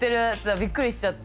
びっくりしちゃった。